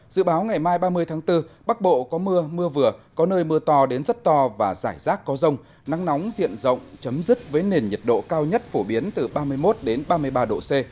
dự báo ngày mai ba mươi tháng bốn bắc bộ có mưa mưa vừa có nơi mưa to đến rất to và rải rác có rông nắng nóng diện rộng chấm dứt với nền nhiệt độ cao nhất phổ biến từ ba mươi một ba mươi ba độ c